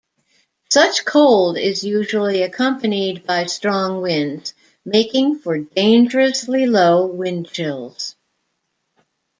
Such cold is usually accompanied by strong winds, making for dangerously low wind chills.